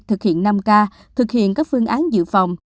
thực hiện năm k thực hiện các phương án dự phòng